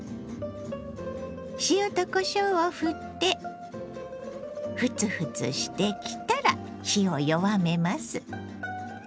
塩とこしょうをふってフツフツしてきたら火を弱めます。